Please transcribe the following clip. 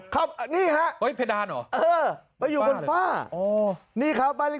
ครับนี่แหละ